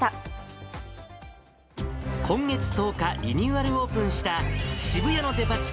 今月１０日、リニューアルオープンした渋谷のデパ地下、